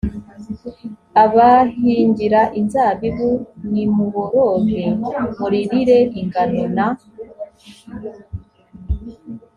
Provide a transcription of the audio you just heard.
abahingira inzabibu nimuboroge muririre ingano na